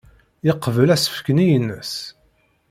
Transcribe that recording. Yeqbel asefk-nni-nnes.